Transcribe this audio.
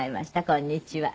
こんにちは。